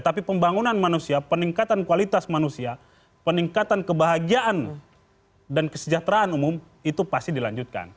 tapi pembangunan manusia peningkatan kualitas manusia peningkatan kebahagiaan dan kesejahteraan umum itu pasti dilanjutkan